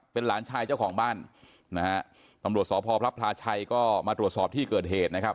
เป็นหลานชายเจ้าของบ้านนะฮะตำรวจสพพระพลาชัยก็มาตรวจสอบที่เกิดเหตุนะครับ